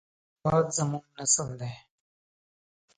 هېواد زموږ نسل دی